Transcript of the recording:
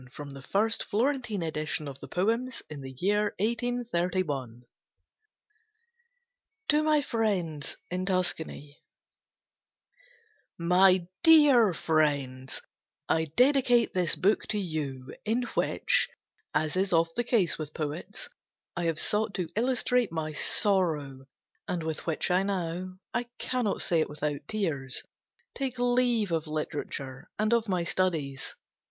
[From the first Florentine Edition of the Poems, in the year 1831.] To my Friends in Tuscany: My dear Friends, I dedicate this book to you, in which, as is oft the case with Poets, I have sought to illustrate my sorrow, and with which I now—I cannot say it without tears—take leave of Literature and of my studies.